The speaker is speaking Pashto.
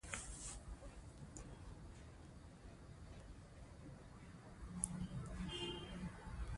خاوره د افغانستان د جغرافیوي تنوع یو څرګند او ښه مثال دی.